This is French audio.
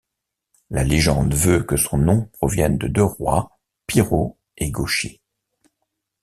La légende veut que son nom provienne de deux rois, Piro et Goshi.